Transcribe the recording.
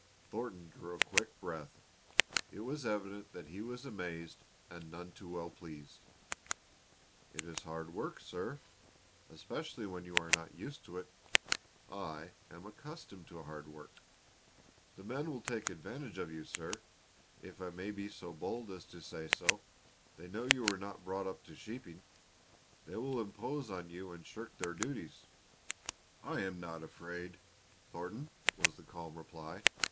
Thornton drew a quick breath. It was evident that he was amazed and none too well pleased. "It is hard work, sir especially when you are not used to it." "I am accustomed to hard work." "The men will take advantage of you, sir if I may be so bold as to say so. They know you were not brought up to sheeping. They will impose on you and shirk their duties." "I am not afraid, Thornton," was the calm reply.